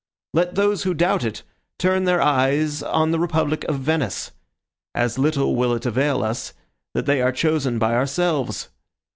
Let those who doubt it, turn their eyes on the republic of Venice. As little will it avail us, that they are chosen by ourselves.